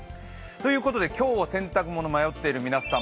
ということで、今日は洗濯物迷っている皆さん